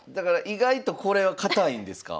意外とこれは堅いんですか？